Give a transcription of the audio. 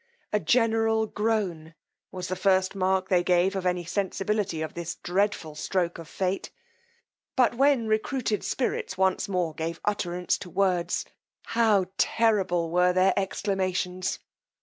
A general groan was the first mark they gave of any sensibility of this dreadful stroke of fate; but when recruited spirits once more gave utterance to words, how terrible were their exclamations!